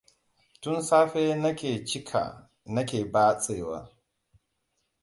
Tun safe na ke cika na ke batsewa.